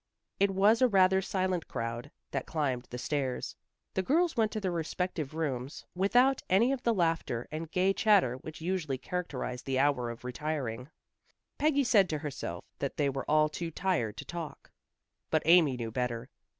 It was a rather silent crowd that climbed the stairs. The girls went to their respective rooms without any of the laughter and gay chatter which usually characterized the hour of retiring. Peggy said to herself that they were all too tired to talk. But Amy knew better.